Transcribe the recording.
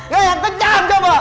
yang kencang coba